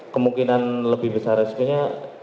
kemungkinan lebih besar resmi nya